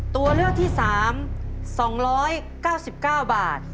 ตัวเลือกที่๓๒๙๙บาท